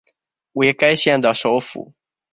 为该县的首府。